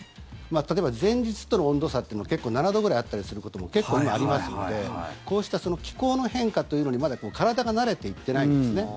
例えば前日との温度差というのも７度ぐらいあったりすることも結構今、ありますのでこうした気候の変化というのにまだ体が慣れていっていないんですね。